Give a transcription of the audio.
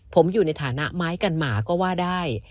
ผมอยู่ในฐานะไม้กันหมาก็ว่าได้